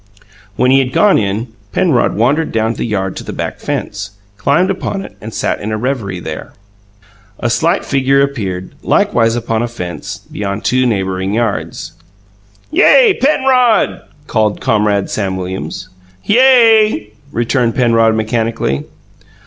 When he had gone in, Penrod wandered down the yard to the back fence, climbed upon it, and sat in reverie there. A slight figure appeared, likewise upon a fence, beyond two neighbouring yards. "Yay, Penrod!" called comrade Sam Williams. "Yay!" returned Penrod, mechanically.